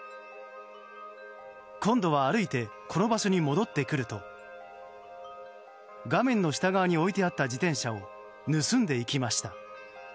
今度は、歩いてこの場所に戻ってくると画面の下側に置いてあった自転車を盗んでいきました。